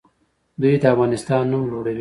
دوی د افغانستان نوم لوړوي.